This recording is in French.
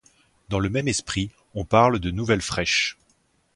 Dans le même esprit on parle de nouvelles fraiches.